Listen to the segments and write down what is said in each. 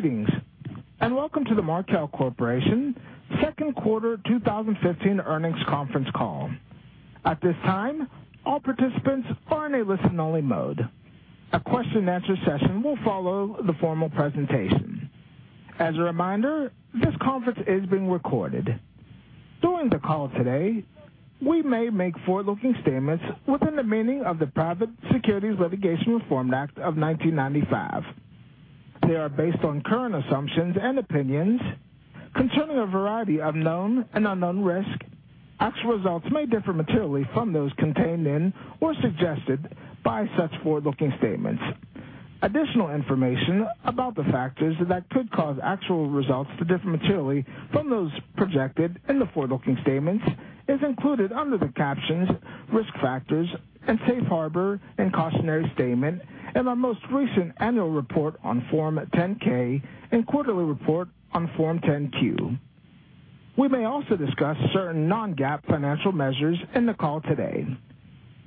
Greetings, and welcome to the Markel Corporation second quarter 2015 earnings conference call. At this time, all participants are in a listen-only mode. A question-and-answer session will follow the formal presentation. As a reminder, this conference is being recorded. During the call today, we may make forward-looking statements within the meaning of the Private Securities Litigation Reform Act of 1995. They are based on current assumptions and opinions concerning a variety of known and unknown risks. Actual results may differ materially from those contained in or suggested by such forward-looking statements. Additional information about the factors that could cause actual results to differ materially from those projected in the forward-looking statements is included under the captions "Risk Factors" and "Safe Harbor and Cautionary Statement" in our most recent annual report on Form 10-K and quarterly report on Form 10-Q. We may also discuss certain non-GAAP financial measures in the call today.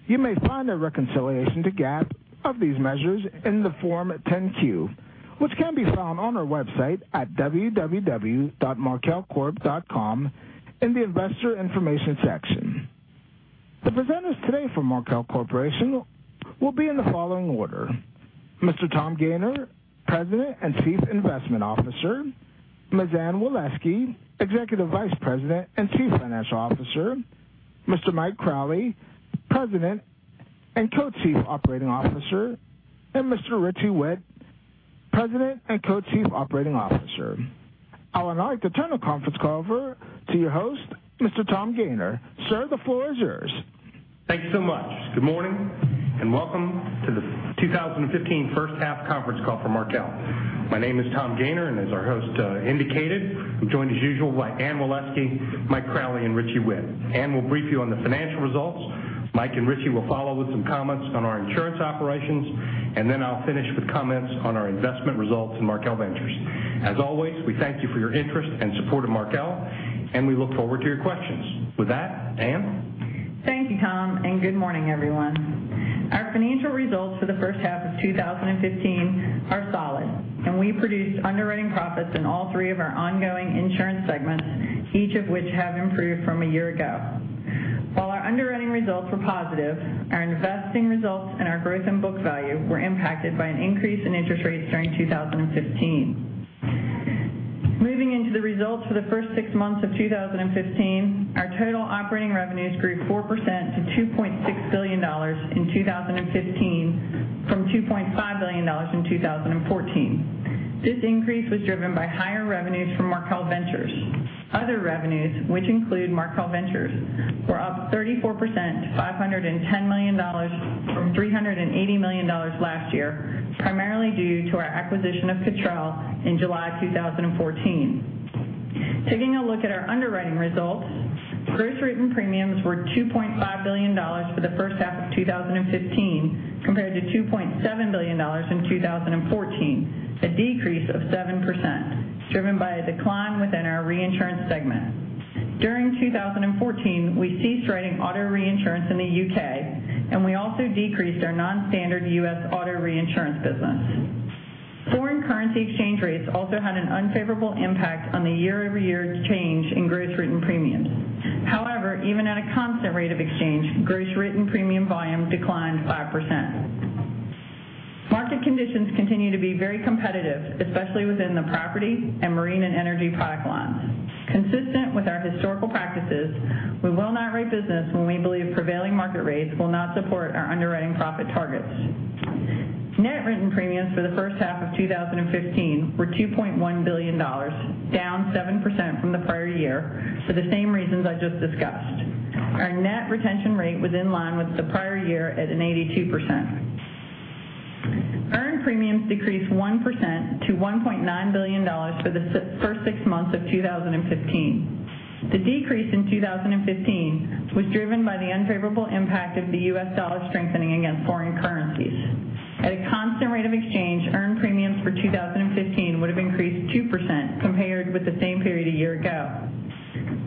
You may find a reconciliation to GAAP of these measures in the Form 10-Q, which can be found on our website at www.markelcorp.com in the Investor Information section. The presenters today from Markel Corporation will be in the following order: Mr. Tom Gayner, President and Chief Investment Officer, Ms. Anne Waleski, Executive Vice President and Chief Financial Officer, Mr. Mike Crowley, President and Co-Chief Operating Officer, and Mr. Richie Whitt, President and Co-Chief Operating Officer. I would now like to turn the conference call over to your host, Mr. Tom Gayner. Sir, the floor is yours. Thanks so much. Good morning, and welcome to the 2015 first half conference call for Markel. My name is Tom Gayner, and as our host indicated, I'm joined as usual by Anne Waleski, Mike Crowley, and Richie Whitt. Anne will brief you on the financial results. Mike and Richie will follow with some comments on our insurance operations, and then I'll finish with comments on our investment results in Markel Ventures. As always, we thank you for your interest and support of Markel, and we look forward to your questions. With that, Anne? Thank you, Tom, and good morning, everyone. Our financial results for the first half of 2015 are solid, and we produced underwriting profits in all three of our ongoing insurance segments, each of which have improved from a year ago. While our underwriting results were positive, our investing results and our growth in book value were impacted by an increase in interest rates during 2015. Moving into the results for the first six months of 2015, our total operating revenues grew 4% to $2.6 billion in 2015 from $2.5 billion in 2014. This increase was driven by higher revenues from Markel Ventures. Other revenues, which include Markel Ventures, were up 34% to $510 million from $380 million last year, primarily due to our acquisition of Cottrell in July 2014. Taking a look at our underwriting results, gross written premiums were $2.5 billion for the first half of 2015, compared to $2.7 billion in 2014, a decrease of 7%, driven by a decline within our reinsurance segment. During 2014, we ceased writing auto reinsurance in the U.K., and we also decreased our non-standard U.S. auto reinsurance business. Foreign currency exchange rates also had an unfavorable impact on the year-over-year change in gross written premiums. However, even at a constant rate of exchange, gross written premium volume declined 5%. Market conditions continue to be very competitive, especially within the property and marine and energy product lines. Consistent with our historical practices, we will not write business when we believe prevailing market rates will not support our underwriting profit targets. Net written premiums for the first half of 2015 were $2.1 billion, down 7% from the prior year for the same reasons I just discussed. Our net retention rate was in line with the prior year at an 82%. Earned premiums decreased 1% to $1.9 billion for the first six months of 2015. The decrease in 2015 was driven by the unfavorable impact of the U.S. dollar strengthening against foreign currencies. At a constant rate of exchange, earned premiums for 2015 would've increased 2% compared with the same period a year ago.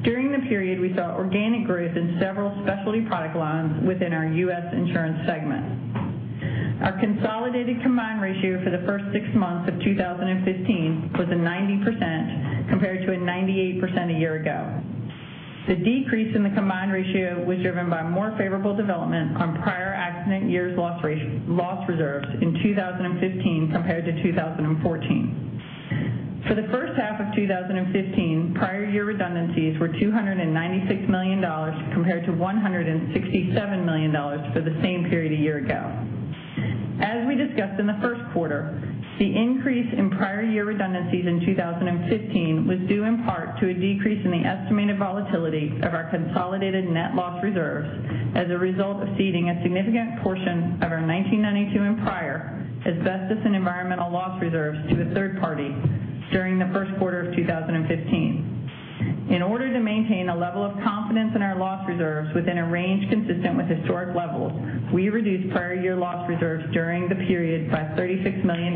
During the period, we saw organic growth in several specialty product lines within our U.S. insurance segment. Our consolidated combined ratio for the first six months of 2015 was a 90% compared to a 98% a year ago. The decrease in the combined ratio was driven by more favorable development on prior accident years loss reserves in 2015 compared to 2014. For the first half of 2015, prior year redundancies were $296 million compared to $167 million for the same period a year ago. As we discussed in the first quarter, the increase in prior year redundancies in 2015 was due in part to a decrease in the estimated volatility of our consolidated net loss reserves as a result of ceding a significant portion of our 1992 and prior asbestos and environmental loss reserves to a third party during the first quarter of 2015. In order to maintain a level of confidence in our loss reserves within a range consistent with historic levels, we reduced prior year loss reserves during the period by $36 million,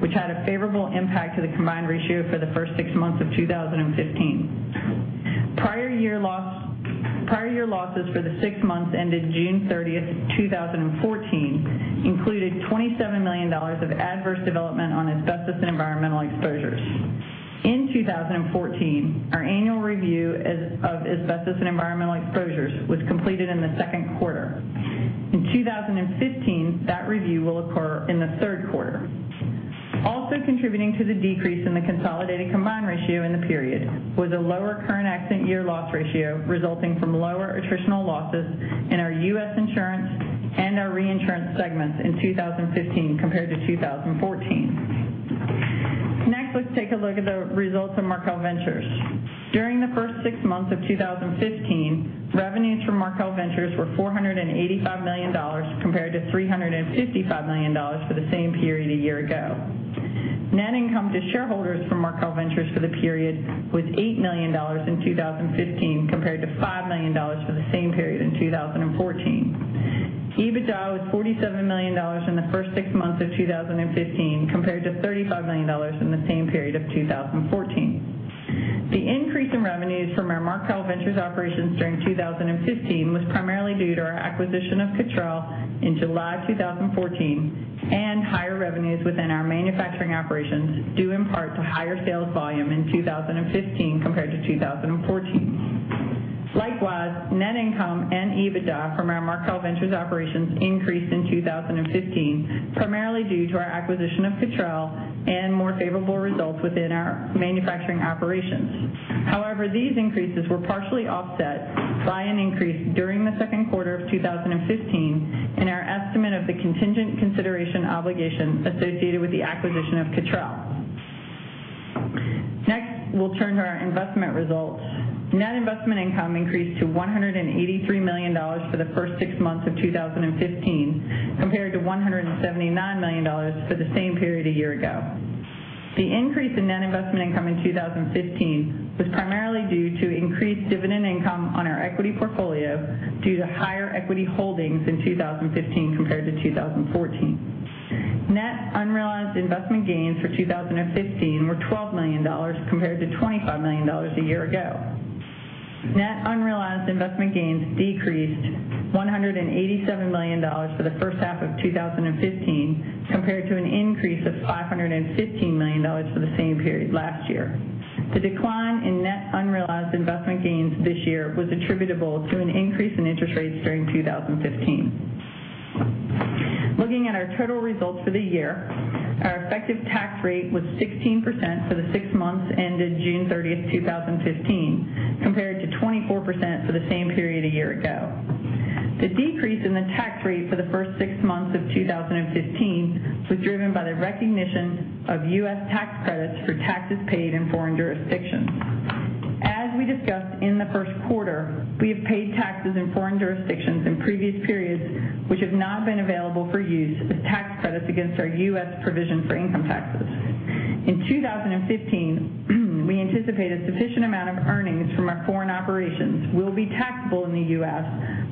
which had a favorable impact to the combined ratio for the first six months of 2015. Prior year losses for the six months ended June 30th, 2014, included $27 million of adverse development on asbestos and environmental exposures. In 2014, our annual review of asbestos and environmental exposures was completed in the second quarter. In 2015, that review will occur in the third quarter. Also contributing to the decrease in the consolidated combined ratio in the period was a lower current accident year loss ratio resulting from lower attritional losses in our U.S. insurance and our reinsurance segments in 2015 compared to 2014. Next, let's take a look at the results of Markel Ventures. During the first six months of 2015, revenues from Markel Ventures were $485 million compared to $355 million for the same period a year ago. Net income to shareholders from Markel Ventures for the period was $8 million in 2015 compared to $5 million for the same period in 2014. EBITDA was $47 million in the first six months of 2015 compared to $35 million in the same period of 2014. The increase in revenues from our Markel Ventures operations during 2015 was primarily due to our acquisition of Cottrell in July 2014 and higher revenues within our manufacturing operations, due in part to higher sales volume in 2015 compared to 2014. Likewise, net income and EBITDA from our Markel Ventures operations increased in 2015, primarily due to our acquisition of Cottrell and more favorable results within our manufacturing operations. These increases were partially offset by an increase during the second quarter of 2015 in our estimate of the contingent consideration obligation associated with the acquisition of Cottrell. We'll turn to our investment results. Net investment income increased to $183 million for the first six months of 2015 compared to $179 million for the same period a year ago. The increase in net investment income in 2015 was primarily due to increased dividend income on our equity portfolio due to higher equity holdings in 2015 compared to 2014. Net unrealized investment gains for 2015 were $12 million compared to $25 million a year ago. Net unrealized investment gains decreased $187 million for the first half of 2015 compared to an increase of $515 million for the same period last year. The decline in net unrealized investment gains this year was attributable to an increase in interest rates during 2015. Looking at our total results for the year, our effective tax rate was 16% for the six months ended June 30th, 2015, compared to 24% for the same period a year ago. The decrease in the tax rate for the first six months of 2015 was driven by the recognition of U.S. tax credits for taxes paid in foreign jurisdictions. As we discussed in the first quarter, we have paid taxes in foreign jurisdictions in previous periods, which have now been available for use as tax credits against our U.S. provision for income taxes. In 2015, we anticipate a sufficient amount of earnings from our foreign operations will be taxable in the U.S.,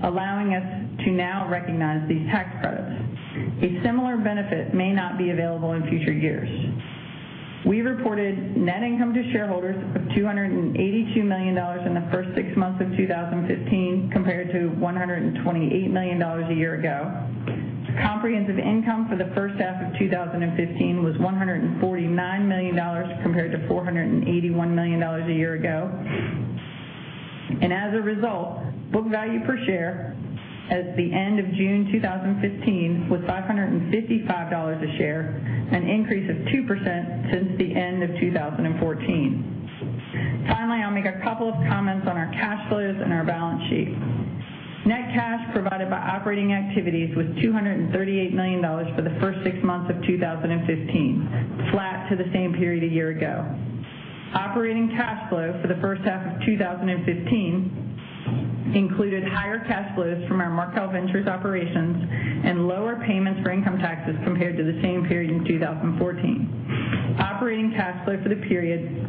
allowing us to now recognize these tax credits. A similar benefit may not be available in future years. We reported net income to shareholders of $282 million in the first six months of 2015 compared to $128 million a year ago. Comprehensive income for the first half of 2015 was $149 million compared to $481 million a year ago. As a result, book value per share at the end of June 2015 was $555 a share, an increase of 2% since the end of 2014. I'll make a couple of comments on our cash flows and our balance sheet. Net cash provided by operating activities was $238 million for the first six months of 2015, flat to the same period a year ago. Operating cash flow for the first half of 2015 included higher cash flows from our Markel Ventures operations and lower payments for income taxes compared to the same period in 2014. Operating cash flow for the period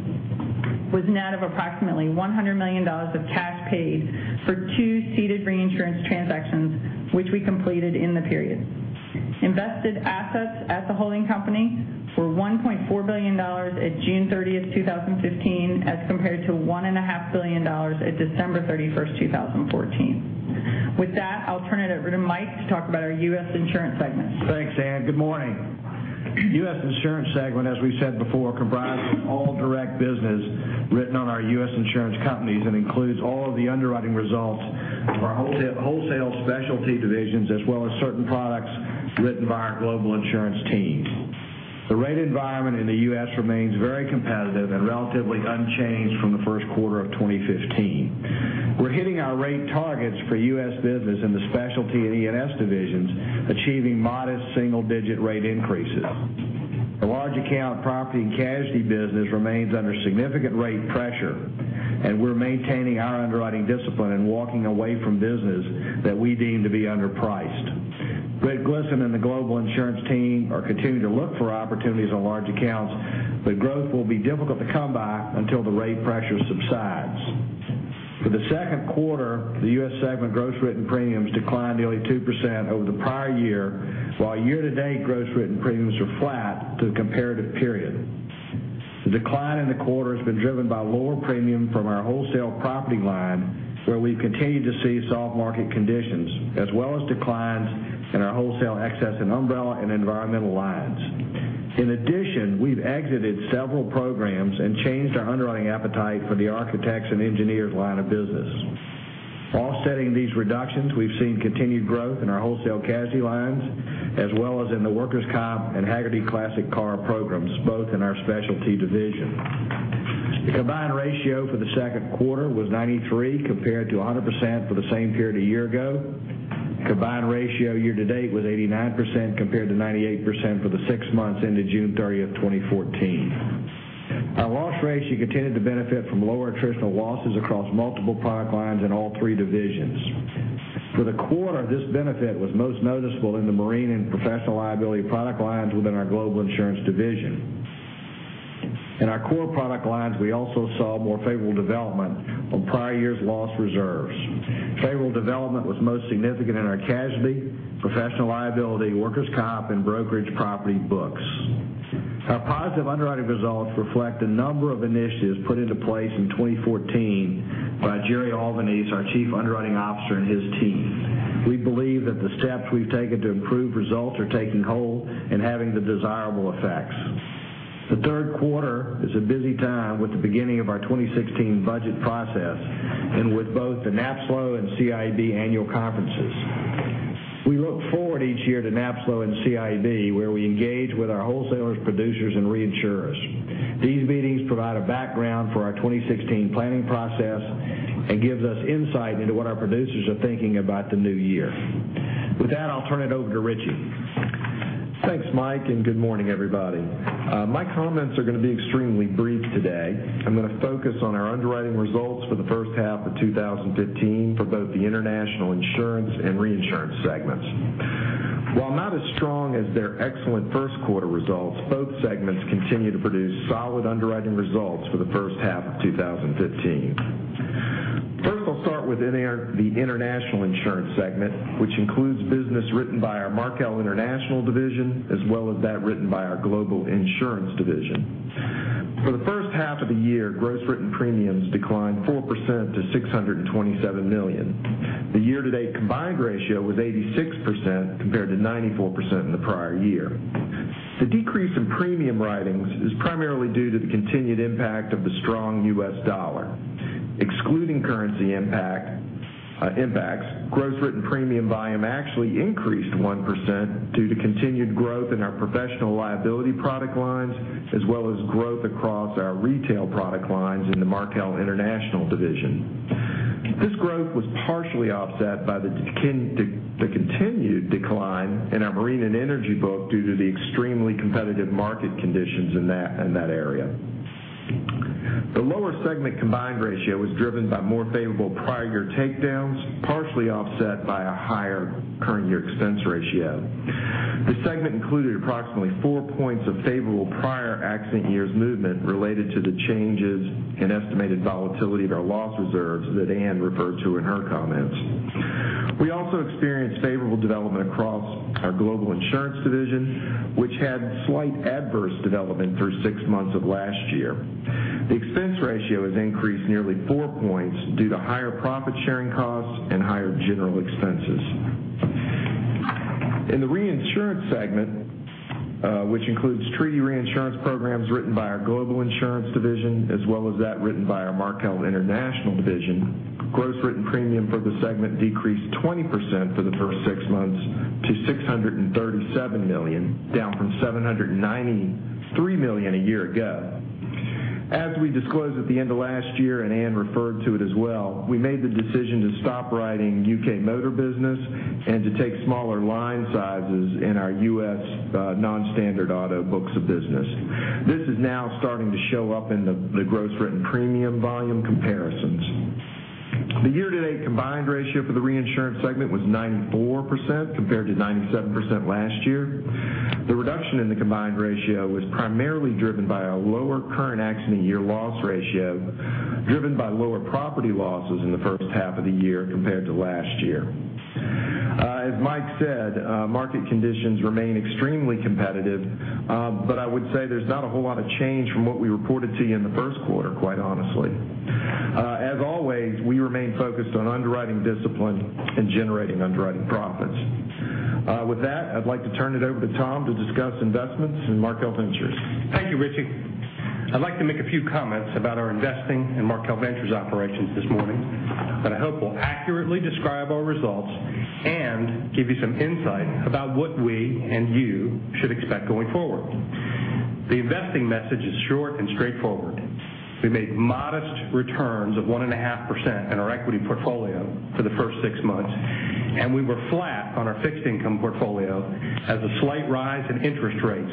was net of approximately $100 million of cash paid for two ceded reinsurance transactions, which we completed in the period. Invested assets at the holding company were $1.4 billion at June 30th, 2015, as compared to $1.5 billion at December 31st, 2014. With that, I'll turn it over to Mike to talk about our U.S. insurance segment. Thanks, Anne. Good morning. U.S. insurance segment, as we've said before, comprises all direct business written on our U.S. insurance companies and includes all of the underwriting results of our wholesale specialty divisions, as well as certain products written by our global insurance teams. The rate environment in the U.S. remains very competitive and relatively unchanged from the first quarter of 2015. We're hitting our rate targets for U.S. business in the specialty and E&S divisions, achieving modest single-digit rate increases. The large account property and casualty business remains under significant rate pressure. We're maintaining our underwriting discipline and walking away from business that we deem to be underpriced. Greg Glisan and the global insurance team are continuing to look for opportunities on large accounts, growth will be difficult to come by until the rate pressure subsides. For the second quarter, the U.S. segment gross written premiums declined nearly 2% over the prior year, while year-to-date gross written premiums are flat to the comparative period. The decline in the quarter has been driven by lower premium from our wholesale property line, where we continue to see soft market conditions, as well as declines in our wholesale excess in umbrella and environmental lines. In addition, we've exited several programs and changed our underwriting appetite for the architects and engineers line of business. Offsetting these reductions, we've seen continued growth in our wholesale casualty lines, as well as in the workers' comp and Hagerty Classic Car programs, both in our specialty division. The combined ratio for the second quarter was 93% compared to 100% for the same period a year ago. Combined ratio year-to-date was 89% compared to 98% for the six months ended June 30th, 2014. Our loss ratio continued to benefit from lower attritional losses across multiple product lines in all three divisions. For the quarter, this benefit was most noticeable in the marine and professional liability product lines within our global insurance division. In our core product lines, we also saw more favorable development on prior year's loss reserves. Favorable development was most significant in our casualty, professional liability, workers' comp, and brokerage property books. Our positive underwriting results reflect a number of initiatives put into place in 2014 by Gerard Albanese, our Chief Underwriting Officer, and his team. We believe that the steps we've taken to improve results are taking hold and having the desirable effects. The third quarter is a busy time with the beginning of our 2016 budget process and with both the NAPSLO and CIAB annual conferences. We look forward each year to NAPSLO and CIAB, where we engage with our wholesalers, producers, and reinsurers. These meetings provide a background for our 2016 planning process and gives us insight into what our producers are thinking about the new year. With that, I'll turn it over to Richie. Thanks, Mike, and good morning, everybody. My comments are going to be extremely brief today. I'm going to focus on our underwriting results for the first half of 2015 for both the international insurance and reinsurance segments. While not as strong as their excellent first quarter results, both segments continue to produce solid underwriting results for the first half of 2015. First, I'll start with the international insurance segment, which includes business written by our Markel International division as well as that written by our global insurance division. For the first half of the year, gross written premiums declined 4% to $627 million. The year-to-date combined ratio was 86% compared to 94% in the prior year. The decrease in premium writings is primarily due to the continued impact of the strong U.S. dollar. Excluding currency impacts, gross written premium volume actually increased 1% due to continued growth in our professional liability product lines, as well as growth across our retail product lines in the Markel International division. This growth was partially offset by the continued decline in our marine and energy book due to the extremely competitive market conditions in that area. The lower segment combined ratio was driven by more favorable prior year takedowns, partially offset by a higher current year expense ratio. The segment included approximately four points of favorable prior accident years movement related to the changes in estimated volatility of our loss reserves that Anne referred to in her comments. We also experienced favorable development across our global insurance division, which had slight adverse development through six months of last year. The expense ratio has increased nearly four points due to higher profit-sharing costs and higher general expenses. In the reinsurance segment, which includes treaty reinsurance programs written by our global insurance division as well as that written by our Markel International division, gross written premium for the segment decreased 20% for the first six months to $637 million, down from $793 million a year ago. As we disclosed at the end of last year, and Anne referred to it as well, we made the decision to stop writing U.K. motor business and to take smaller line sizes in our U.S. non-standard auto books of business. This is now starting to show up in the gross written premium volume comparisons. The year-to-date combined ratio for the reinsurance segment was 94% compared to 97% last year. The reduction in the combined ratio was primarily driven by a lower current accident year loss ratio, driven by lower property losses in the first half of the year compared to last year. As Mike said, market conditions remain extremely competitive, but I would say there's not a whole lot of change from what we reported to you in the first quarter, quite honestly. As always, we remain focused on underwriting discipline and generating underwriting profits. With that, I'd like to turn it over to Tom to discuss investments in Markel Ventures. Thank you, Richie. I'd like to make a few comments about our investing in Markel Ventures operations this morning that I hope will accurately describe our results and give you some insight about what we and you should expect going forward. The investing message is short and straightforward. We made modest returns of 1.5% in our equity portfolio for the first six months, and we were flat on our fixed income portfolio as a slight rise in interest rates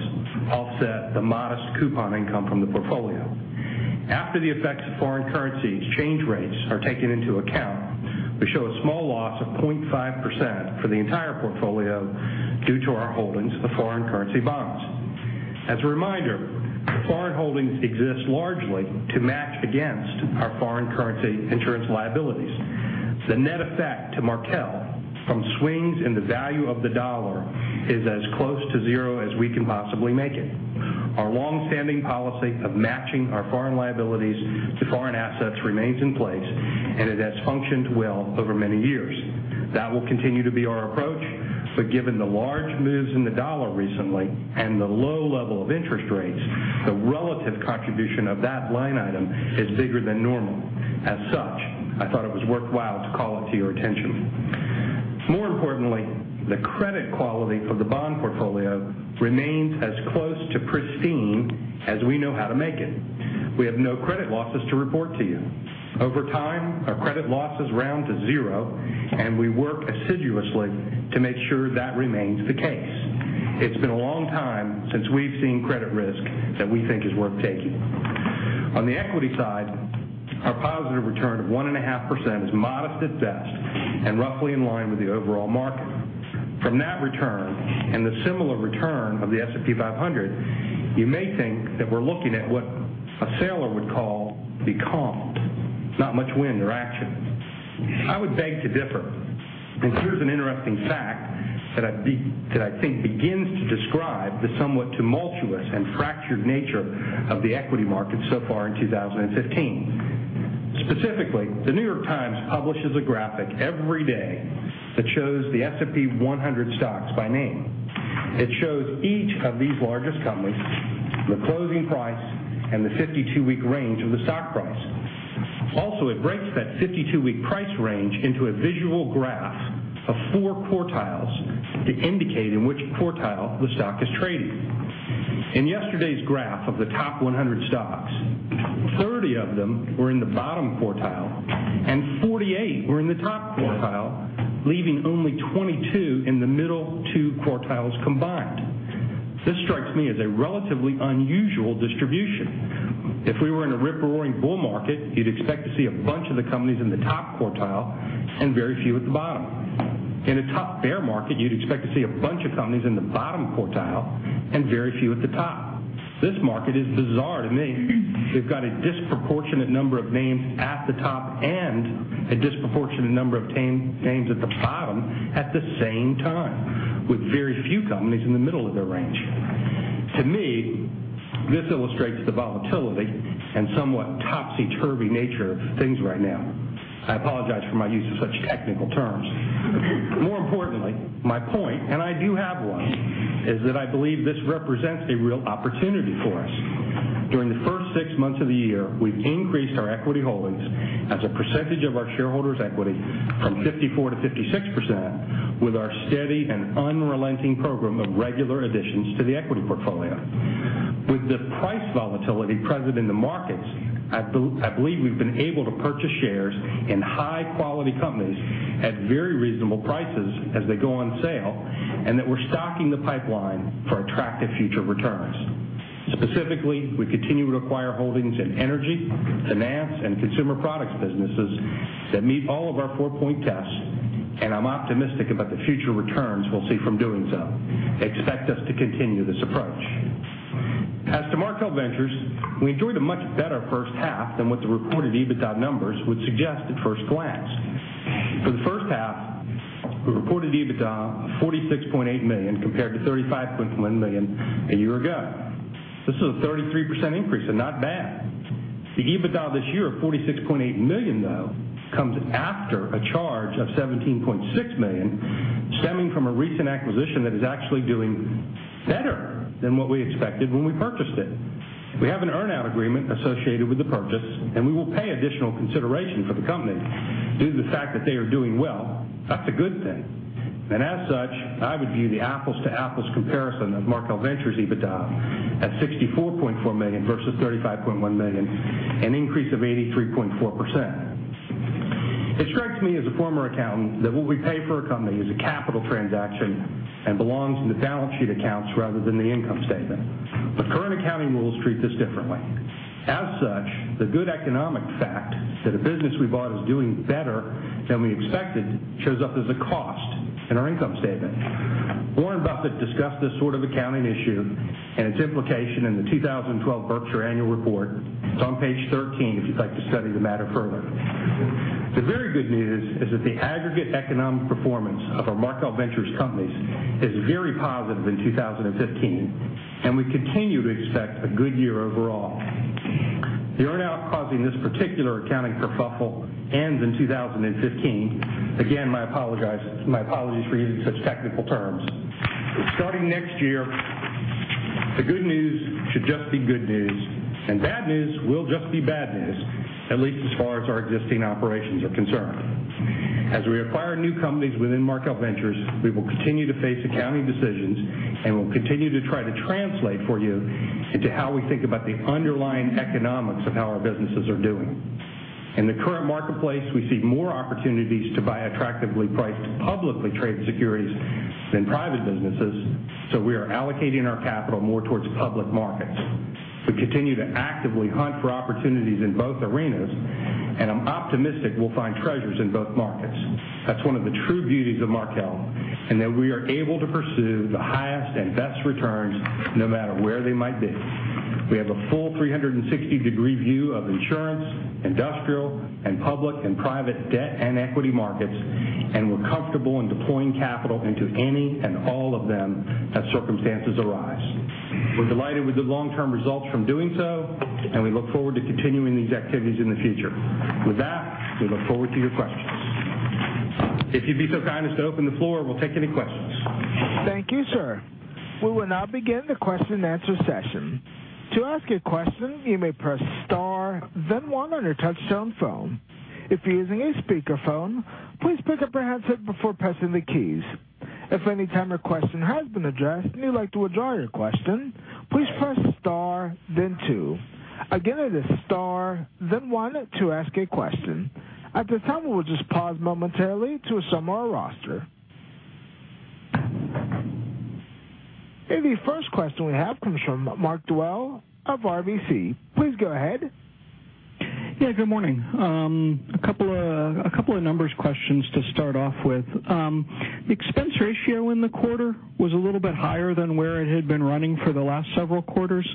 offset the modest coupon income from the portfolio. After the effects of foreign currency exchange rates are taken into account, we show a small loss of 0.5% for the entire portfolio due to our holdings of foreign currency bonds. As a reminder, foreign holdings exist largely to match against our foreign currency insurance liabilities. The net effect to Markel from swings in the value of the dollar is as close to zero as we can possibly make it. Our longstanding policy of matching our foreign liabilities to foreign assets remains in place, and it has functioned well over many years. That will continue to be our approach, but given the large moves in the dollar recently and the low level of interest rates, the relative contribution of that line item is bigger than normal. As such, I thought it was worthwhile to call it to your attention. More importantly, the credit quality of the bond portfolio remains as close to pristine as we know how to make it. We have no credit losses to report to you. Over time, our credit losses round to zero, and we work assiduously to make sure that remains the case. It's been a long time since we've seen credit risk that we think is worth taking. On the equity side, our positive return of 1.5% is modest at best and roughly in line with the overall market. From that return and the similar return of the S&P 500, you may think that we're looking at what a sailor would call the calm. Not much wind or action. I would beg to differ, and here's an interesting fact that I think begins to describe the somewhat tumultuous and fractured nature of the equity market so far in 2015. Specifically, The New York Times publishes a graphic every day that shows the S&P 100 stocks by name. It shows each of these largest companies, the closing price, and the 52-week range of the stock price. Also, it breaks that 52-week price range into a visual graph of four quartiles to indicate in which quartile the stock is trading. In yesterday's graph of the top 100 stocks, 30 of them were in the bottom quartile and 48 were in the top quartile, leaving only 22 in the middle two quartiles combined. This strikes me as a relatively unusual distribution. If we were in a rip-roaring bull market, you'd expect to see a bunch of the companies in the top quartile and very few at the bottom. In a top bear market, you'd expect to see a bunch of companies in the bottom quartile and very few at the top. This market is bizarre to me. We've got a disproportionate number of names at the top and a disproportionate number of names at the bottom at the same time, with very few companies in the middle of their range. To me, this illustrates the volatility and somewhat topsy-turvy nature of things right now. I apologize for my use of such technical terms. More importantly, my point, and I do have one, is that I believe this represents a real opportunity for us. During the first six months of the year, we've increased our equity holdings as a percentage of our shareholders' equity from 54% to 56% with our steady and unrelenting program of regular additions to the equity portfolio. With the price volatility present in the markets, I believe we've been able to purchase shares in high-quality companies at very reasonable prices as they go on sale, and that we're stocking the pipeline for attractive future returns. Specifically, we continue to acquire holdings in energy, finance, and consumer products businesses that meet all of our four-point tests, and I'm optimistic about the future returns we'll see from doing so. Expect us to continue this approach. As to Markel Ventures, we enjoyed a much better first half than what the reported EBITDA numbers would suggest at first glance. For the first half, we reported EBITDA of $46.8 million compared to $35.1 million a year ago. This is a 33% increase and not bad. The EBITDA this year of $46.8 million, though, comes after a charge of $17.6 million stemming from a recent acquisition that is actually doing better than what we expected when we purchased it. We have an earn-out agreement associated with the purchase, and we will pay additional consideration for the company due to the fact that they are doing well. That's a good thing. As such, I would view the apples-to-apples comparison of Markel Ventures EBITDA at $64.4 million versus $35.1 million, an increase of 83.4%. It strikes me as a former accountant that what we pay for a company is a capital transaction and belongs in the balance sheet accounts rather than the income statement. Current accounting rules treat this differently. As such, the good economic fact that a business we bought is doing better than we expected shows up as a cost in our income statement. Warren Buffett discussed this sort of accounting issue and its implication in the 2012 Berkshire annual report. It's on page 13 if you'd like to study the matter further. The very good news is that the aggregate economic performance of our Markel Ventures companies is very positive in 2015, and we continue to expect a good year overall. The earn-out causing this particular accounting kerfuffle ends in 2015. Again, my apologies for using such technical terms. Starting next year, the good news should just be good news, and bad news will just be bad news, at least as far as our existing operations are concerned. As we acquire new companies within Markel Ventures, we will continue to face accounting decisions and will continue to try to translate for you into how we think about the underlying economics of how our businesses are doing. In the current marketplace, we see more opportunities to buy attractively priced publicly traded securities than private businesses, so we are allocating our capital more towards public markets. We continue to actively hunt for opportunities in both arenas, and I'm optimistic we'll find treasures in both markets. That's one of the true beauties of Markel, and that we are able to pursue the highest and best returns no matter where they might be. We have a full 360-degree view of insurance, industrial, and public and private debt and equity markets, and we're comfortable in deploying capital into any and all of them as circumstances arise. We're delighted with the long-term results from doing so, and we look forward to continuing these activities in the future. With that, we look forward to your questions. If you'd be so kind as to open the floor, we'll take any questions. Thank you, sir. We will now begin the question and answer session. To ask a question, you may press star then one on your touchtone phone. If you're using a speakerphone, please pick up your handset before pressing the keys. If at any time your question has been addressed and you'd like to withdraw your question, please press star then two. Again, it is star then one to ask a question. At this time, we'll just pause momentarily to assemble our roster. The first question we have comes from Mark Dwelle of RBC. Please go ahead. Yeah, good morning. A couple of numbers questions to start off with. Expense ratio in the quarter was a little bit higher than where it had been running for the last several quarters.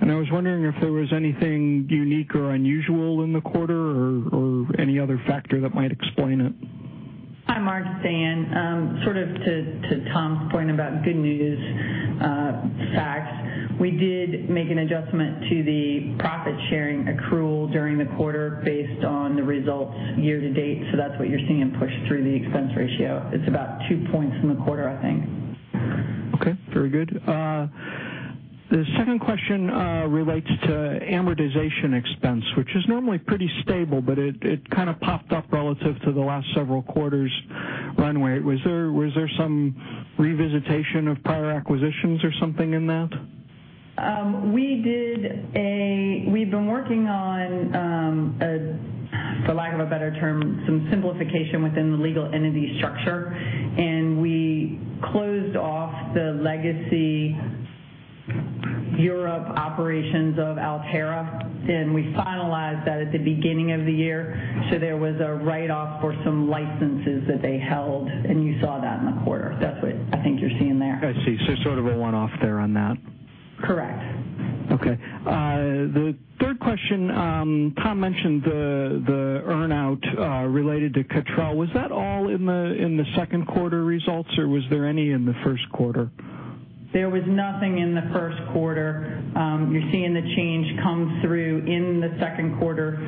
I was wondering if there was anything unique or unusual in the quarter or any other factor that might explain it. Hi, Mark. This is Diane. To Tom's point about good news facts, we did make an adjustment to the profit-sharing accrual during the quarter based on the results year to date. That's what you're seeing pushed through the expense ratio. It's about two points in the quarter, I think. Okay, very good. The second question relates to amortization expense, which is normally pretty stable. It kind of popped up relative to the last several quarters run rate. Was there some revisitation of prior acquisitions or something in that? We've been working on, for lack of a better term, some simplification within the legal entity structure. We closed off the legacy Europe operations of Alterra. We finalized that at the beginning of the year. There was a write-off for some licenses that they held. You saw that in the quarter. That's what I think you're seeing there. I see. sort of a one-off there on that. Correct. Okay. The third question, Tom mentioned the earn-out related to Cottrell. Was that all in the second quarter results, or was there any in the first quarter? There was nothing in the first quarter. You're seeing the change come through in the second quarter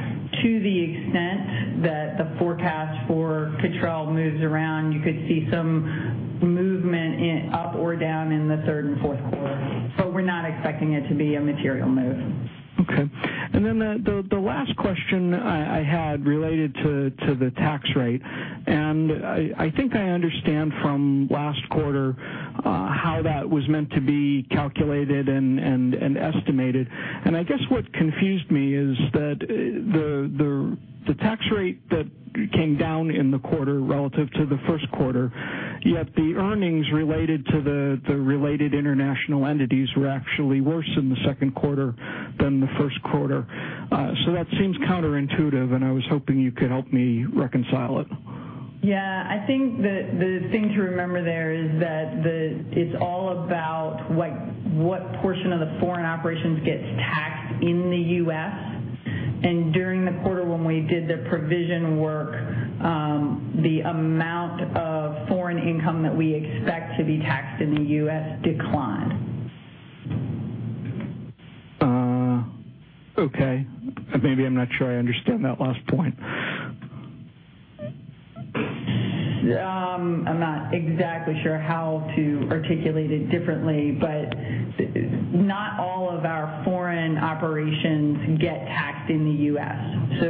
to the extent that the forecast for Cottrell moves around. You could see some movement up or down in the third and fourth quarter, but we're not expecting it to be a material move. Okay. The last question I had related to the tax rate, I think I understand from last quarter how that was meant to be calculated and estimated. I guess what confused me is that the tax rate that came down in the quarter relative to the first quarter, yet the earnings related to the related international entities were actually worse in the second quarter than the first quarter. That seems counterintuitive, and I was hoping you could help me reconcile it. I think the thing to remember there is that it's all about what portion of the foreign operations gets taxed in the U.S. During the quarter when we did the provision work, the amount of foreign income that we expect to be taxed in the U.S. declined. Maybe I'm not sure I understand that last point. I'm not exactly sure how to articulate it differently, but not all of our foreign operations get taxed in the U.S.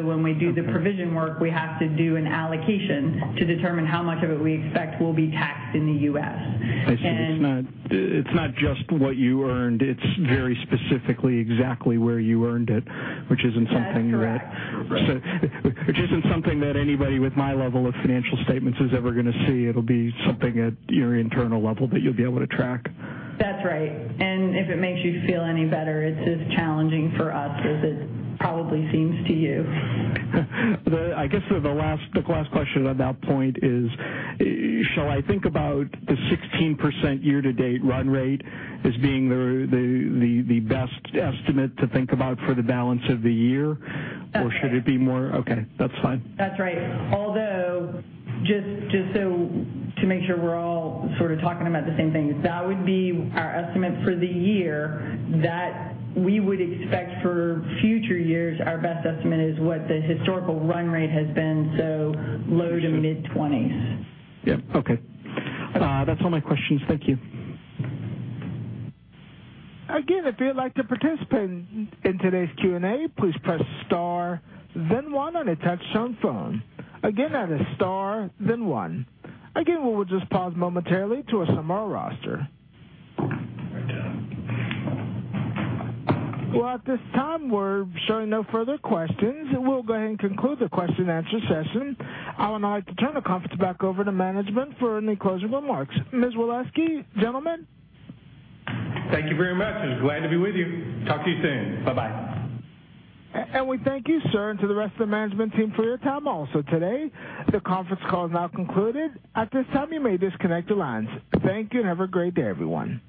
When we do the provision work, we have to do an allocation to determine how much of it we expect will be taxed in the U.S. I see. It's not just what you earned, it's very specifically exactly where you earned it, which isn't something. That's correct. Correct. Which isn't something that anybody with my level of financial statements is ever going to see. It'll be something at your internal level that you'll be able to track. That's right. If it makes you feel any better, it's as challenging for us as it probably seems to you. I guess the last question on that point is, shall I think about the 16% year-to-date run rate as being the best estimate to think about for the balance of the year? Okay. Should it be Okay, that's fine. That's right. Just to make sure we're all sort of talking about the same thing, that would be our estimate for the year that we would expect for future years, our best estimate is what the historical run rate has been, so low to mid-20s. Yeah. Okay. That's all my questions. Thank you. If you'd like to participate in today's Q&A, please press star then one on a touch-tone phone. That is star then one. We will just pause momentarily to assemble our roster. Well, at this time, we're showing no further questions. We'll go ahead and conclude the question and answer session. I would now like to turn the conference back over to management for any closing remarks. Ms. Waleski, gentlemen? Thank you very much. It was glad to be with you. Talk to you soon. Bye-bye. We thank you, sir, and to the rest of the management team for your time also today. The conference call is now concluded. At this time, you may disconnect your lines. Thank you, and have a great day, everyone.